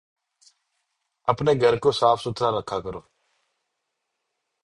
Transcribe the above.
اپنے گھر کو صاف ستھرا رکھا کرو